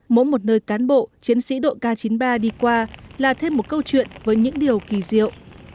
mỗi một nơi cán bộ chiến sĩ đội k chín mươi ba đi qua là thêm một câu chuyện với những điều kỳ diệu